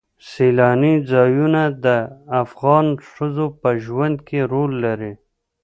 سیلانی ځایونه د افغان ښځو په ژوند کې رول لري.